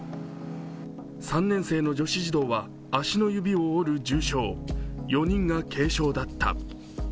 ３年生の女子児童は足の骨を折る重傷、４人が軽傷だった。